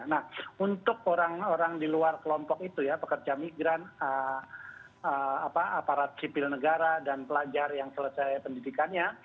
nah untuk orang orang di luar kelompok itu ya pekerja migran aparat sipil negara dan pelajar yang selesai pendidikannya